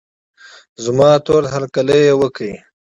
زما تود هرکلی یې وکړ.